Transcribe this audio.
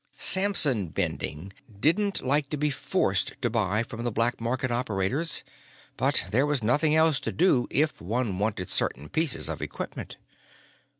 Samson Bending didn't like being forced to buy from the black market operators, but there was nothing else to do if one wanted certain pieces of equipment.